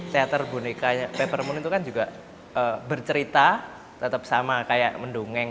teater boneka peppermint itu kan juga bercerita tetap sama kayak mendongeng